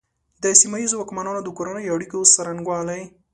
د سیمه ییزو واکمنانو د کورنیو اړیکو څرنګوالي.